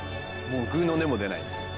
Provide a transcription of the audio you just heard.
もうぐうの音も出ないです。